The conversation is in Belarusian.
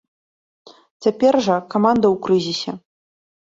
Цяпер жа каманда ў крызісе.